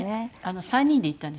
３人で行ったんですよ